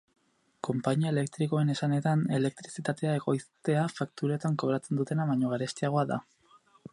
Konpainia elektrikoen esanetan, elektrizitatea ekoiztea fakturetan kobratzen dutena baino garestiagoa da.